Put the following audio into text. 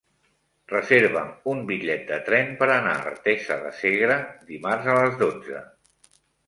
Reserva'm un bitllet de tren per anar a Artesa de Segre dimarts a les dotze.